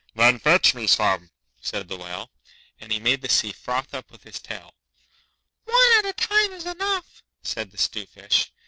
'Then fetch me some,' said the Whale, and he made the sea froth up with his tail. 'One at a time is enough,' said the 'Stute Fish.